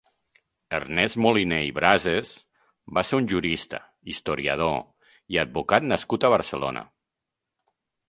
Ernest Moliné i Brasés va ser un jurista, historiador i advocat nascut a Barcelona.